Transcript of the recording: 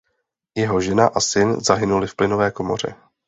Jeho žena a syn zahynuli v plynové komoře.